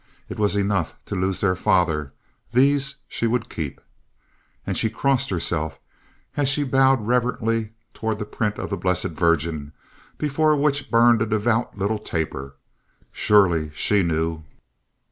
It was enough to lose their father; these she would keep. And she crossed herself as she bowed reverently toward the print of the Blessed Virgin, before which burned a devout little taper. Surely, She knew!